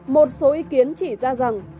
một số ý kiến chỉ ra rằng